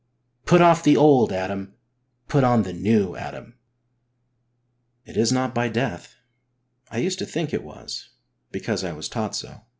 Put off the old Adam, put on the new Adam ! It is not by death. I used to think it was, because I was taught so.